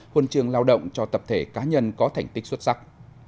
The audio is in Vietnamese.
huân trường lao động cho tập thể cá nhân có thành tích xuất sắc